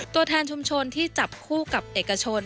ตัวแทนชุมชนที่จับคู่กับเอกชน